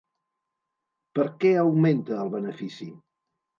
Per què augmenta el benefici?